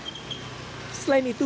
selain itu banjir juga merusak rumah warga